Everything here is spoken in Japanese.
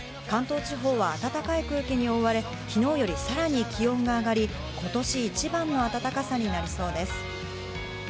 関東地方は暖かい空気に覆われ、昨日よりさらに気温が上がり、今年一番の暖かさになりそうです。